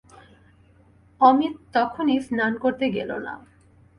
অমিত তখনই স্নান করতে গেল না।